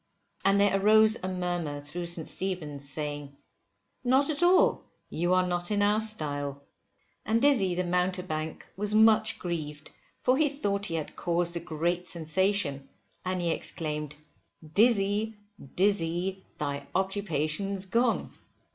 And there arose a murmur through St. Stephen's, saying, Not at all, you are not in our style. And Dizzy the mountebank was much grieved for he thought he had caused a great sensation, and he exclaimed, Dizzy, Dizzy, thy occupation's gone.